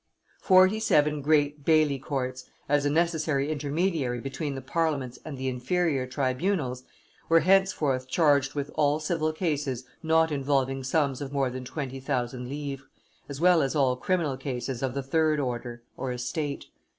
Forty seven great baillie courts, as a necessary intermediary between the parliaments and the inferior tribunals, were henceforth charged with all civil cases not involving sums of more than twenty thousand livres, as well as all criminal cases of the third order (estate).